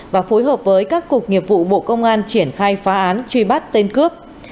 và phối hợp với các cục nghiệp vụ bộ công an triển khai phá án truy bắt tên cướp